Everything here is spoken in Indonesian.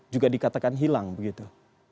juga dikatakan hilang begitu